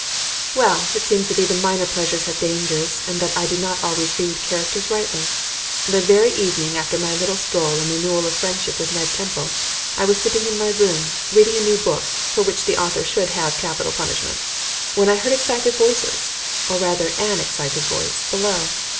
Well, it seems that even minor pleasures have dangers, and that I do not always read characters rightly. The very evening after my little stroll and renewal of friendship with Ned Temple I was sitting in my room, reading a new book for which the author should have capital punishment, when I heard excited voices, or rather an excited voice, below.